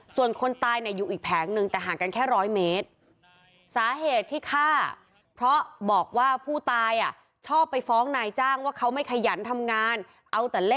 ส่วนคนตายในยุคอีกแผงหนึ่งแต่ห่างกันแค่ร้อยเมตร